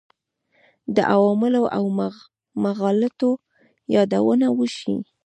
د عواملو او مغالطو یادونه وشي.